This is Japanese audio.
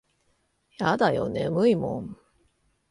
やだよ眠いもん。